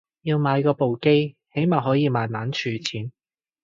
要買過部機起碼可以慢慢儲錢